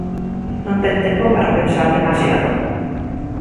Non ten tempo para pensar demasiado.